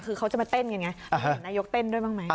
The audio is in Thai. คือเขาจะมาเต้นกันไงนายกเต้นด้วยบ้างไหม